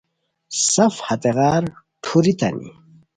سف ہتیغار ٹھورتانی